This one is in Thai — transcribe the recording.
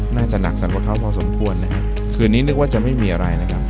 น่าจะหนักสรรกว่าเขาพอสมควรนะฮะคืนนี้นึกว่าจะไม่มีอะไรนะครับ